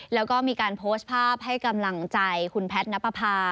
แล้วก็มีการโพสต์ภาพให้กำลังใจคุณแพทย์นับประพา